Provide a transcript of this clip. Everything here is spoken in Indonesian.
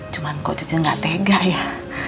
cuman kok ce nggak tega ya